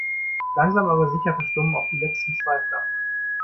Langsam aber sicher verstummen auch die letzten Zweifler.